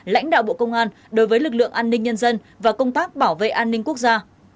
lãnh đạo bộ công an đối với lực lượng an ninh nhân dân và công tác bảo vệ an ninh quốc gia